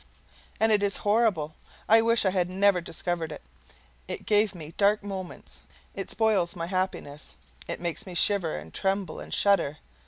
And it is horrible! I wish I had never discovered it; it gives me dark moments, it spoils my happiness, it makes me shiver and tremble and shudder.